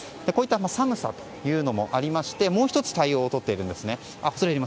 こういった寒さというのもありまして、もう１つ対応をとっているんですね。